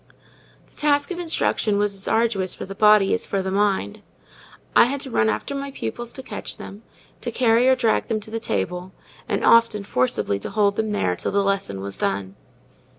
The task of instruction was as arduous for the body as the mind. I had to run after my pupils to catch them, to carry or drag them to the table, and often forcibly to hold them there till the lesson was done.